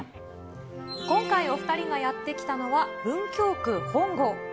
今回、お２人がやって来たのは、文京区本郷。